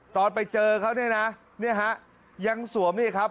ตอนไปเจอเขาเนี่ยนะเนี่ยฮะยังสวมนี่ครับ